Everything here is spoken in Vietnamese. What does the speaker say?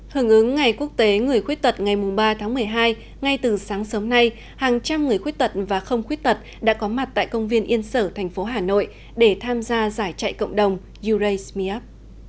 hưởng ứng ngày quốc tế người khuyết tật ngày ba tháng một mươi hai ngay từ sáng sớm nay hàng trăm người khuyết tật và không khuyết tật đã có mặt tại công viên yên sở thành phố hà nội để tham gia giải chạy cộng đồng yu raise smir up